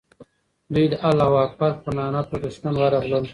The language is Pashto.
دوی د الله اکبر په ناره پر دښمن ورغلل.